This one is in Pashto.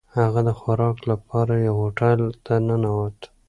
هغه د خوراک لپاره یوه هوټل ته ننووت.